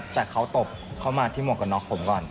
แต่เขาตบเข้ามาที่หมวกกันน็อกผมก่อน